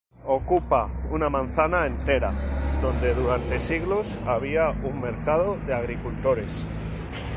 Ocupa una manzana entera donde durante siglos había un mercado de agricultores.